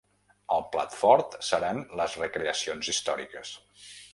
El plat fort seran les recreacions històriques.